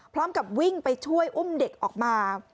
พร้อมกับวิ่งไปช่วยอุ้มเด็กออกมา